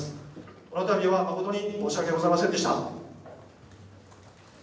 このたびは誠に申し訳ございませんでした。